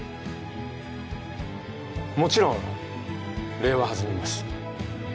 もちろん礼は弾みます